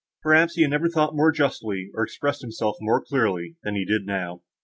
Perhaps, he never had thought more justly, or expressed himself more clearly, than he did now.